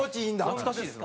懐かしいです。